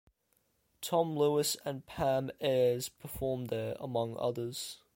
Tom Lewis and Pam Ayres performed there, among others.